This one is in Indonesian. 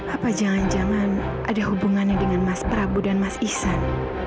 apa jangan jangan ada hubungannya dengan mas prabu dan mas isan